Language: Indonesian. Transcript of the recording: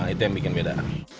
itu yang bikin beda